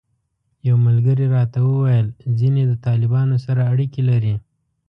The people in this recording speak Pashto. یو ملګري راته وویل ځینې د طالبانو سره اړیکې لري.